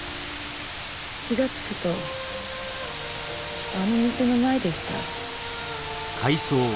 気がつくとあの店の前でした。